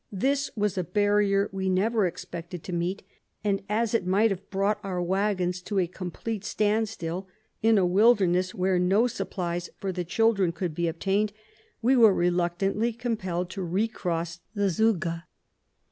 This was a barrier we never expected to meet ; and as it might have brought our waggons to a complete standstill in a wilderness, where no supplies for the children could be obtained, we were reluctantly compelled to recross the Zouga."